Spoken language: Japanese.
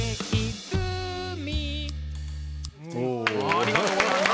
ありがとうございます。